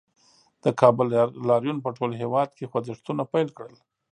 د کابل لاریون په ټول هېواد کې خوځښتونه پیل کړل